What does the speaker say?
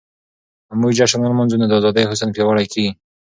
که موږ جشن ولمانځو نو د ازادۍ حس پياوړی کيږي.